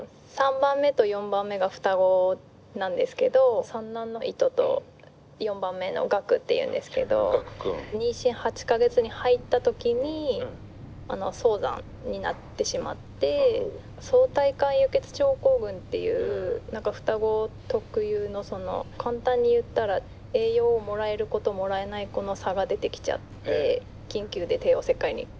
３番目と４番目が双子なんですけど三男のイトと４番目のガクっていうんですけど妊娠８か月に入った時に早産になってしまって双胎間輸血症候群っていう何か双子特有のその簡単に言ったら栄養をもらえる子ともらえない子の差が出てきちゃって緊急で帝王切開になって。